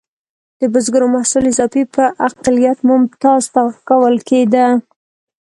د بزګرو محصول اضافي به اقلیت ممتازو ته ورکول کېده.